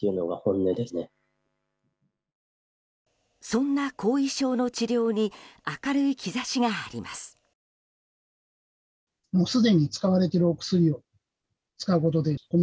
そんな後遺症の治療に明るい兆しがあります。